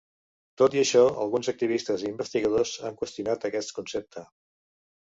Tot i això, alguns activistes i investigadors han qüestionat aquest concepte.